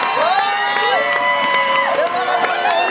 โอ้โห